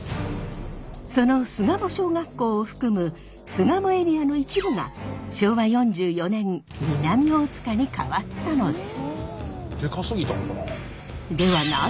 その巣鴨小学校を含む巣鴨エリアの一部が昭和４４年南大塚に変わったのです。